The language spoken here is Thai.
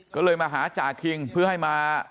ก็เลยมาหาจ่าคิงเพื่อให้มา